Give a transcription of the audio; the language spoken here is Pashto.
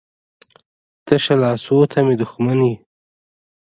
تشه لاسو ته مې دښمن یې.